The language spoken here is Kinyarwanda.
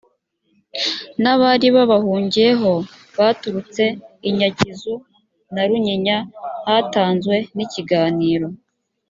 n abari babahungiyeho baturutse i nyakizu na runyinya hatanzwe n ikiganiro